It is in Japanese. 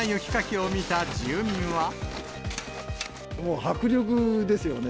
もう、迫力ですよね。